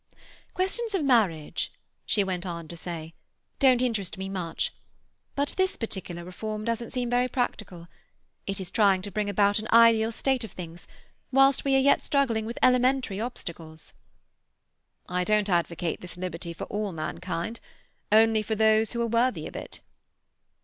"Questions of marriage," she went on to say, "don't interest me much; but this particular reform doesn't seem very practical. It is trying to bring about an ideal state of things whilst we are yet struggling with elementary obstacles." "I don't advocate this liberty for all mankind. Only for those who are worthy of it."